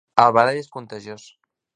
El badall és contagios